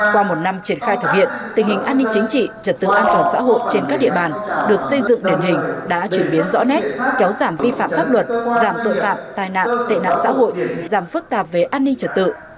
qua một năm triển khai thực hiện tình hình an ninh chính trị trật tự an toàn xã hội trên các địa bàn được xây dựng điển hình đã chuyển biến rõ nét kéo giảm vi phạm pháp luật giảm tội phạm tai nạn tệ nạn xã hội giảm phức tạp về an ninh trật tự